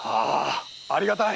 ありがたい。